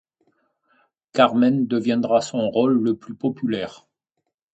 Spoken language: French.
Carmen deviendra son rôle le plus populaire.